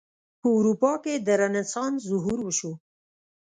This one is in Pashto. په اروپا کې د رنسانس ظهور وشو.